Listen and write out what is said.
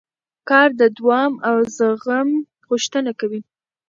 کار د دوام او زغم غوښتنه کوي